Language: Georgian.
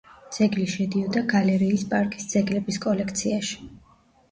ძეგლი შედიოდა გალერეის პარკის ძეგლების კოლექციაში.